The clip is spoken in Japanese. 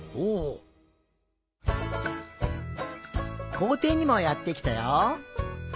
こうていにもやってきたよ。